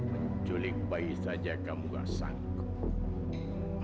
menculik bayi saja kamu gak sanggup